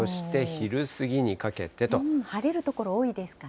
晴れる所、多いですかね。